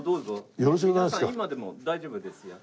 今でも大丈夫ですよ。